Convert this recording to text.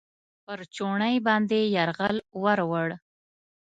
پر چوڼۍ باندې یرغل ورووړ.